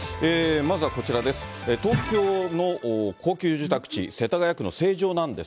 まずはこちらです。